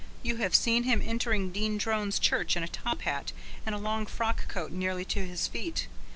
You have seen him entering Dean Drone's church in a top hat and a long frock coat nearly to his feet.